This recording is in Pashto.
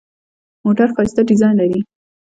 موټر ښایسته ډیزاین لري.